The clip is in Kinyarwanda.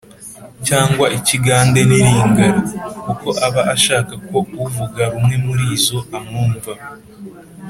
cyangwa ikigande n’ilingala, kuko aba ashaka ko uvuga rumwe muri zo amwumva